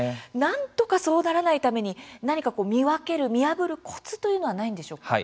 なんとかそうならないために何か見破るコツというのはないんでしょうか。